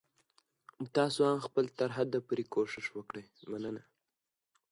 ډيجيټلي وسايل په ادارو کې د کار تنظيم ښه کوي.